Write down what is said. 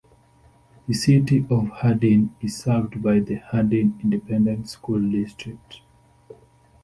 The City of Hardin is served by the Hardin Independent School District.